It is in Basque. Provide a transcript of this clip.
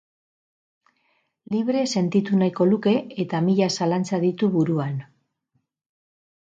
Libre sentitu nahiko luke eta mila zalantza ditu buruan.